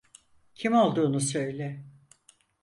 Kim olduğunu söyle.